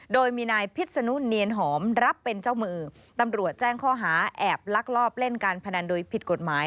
โดยมีนายพิษนุเนียนหอมรับเป็นเจ้ามือตำรวจแจ้งข้อหาแอบลักลอบเล่นการพนันโดยผิดกฎหมาย